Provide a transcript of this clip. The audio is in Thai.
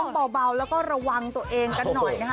เบาแล้วก็ระวังตัวเองกันหน่อยนะคะ